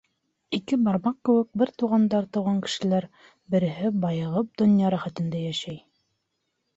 Ике бармаҡ кеүек бер туғандан тыуған кешеләр, береһе байығып донъя рәхәтендә йәшәй.